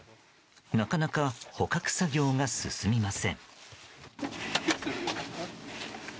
なかなか捕獲作業が進みません。